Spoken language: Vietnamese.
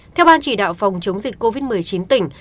theo ban chỉ đạo phòng chống dịch covid một mươi chín tỉnh